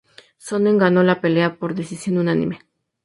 Sonnen ganó la pelea por decisión unánime.